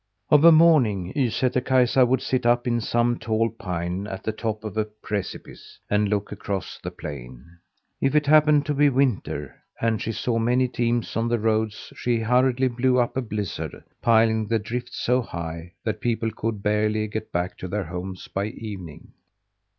Of a morning Ysätter Kaisa would sit up in some tall pine at the top of a precipice, and look across the plain. If it happened to be winter and she saw many teams on the roads she hurriedly blew up a blizzard, piling the drifts so high that people could barely get back to their homes by evening.